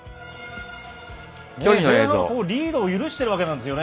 前半はリードを許してるわけなんですよね。